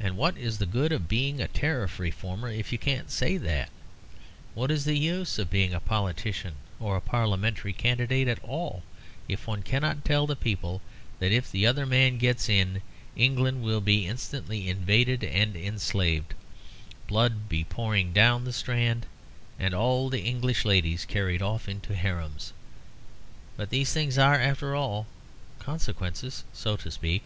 And what is the good of being a Tariff Reformer if you can't say that? What is the use of being a politician or a Parliamentary candidate at all if one cannot tell the people that if the other man gets in, England will be instantly invaded and enslaved, blood be pouring down the Strand, and all the English ladies carried off into harems. But these things are, after all, consequences, so to speak.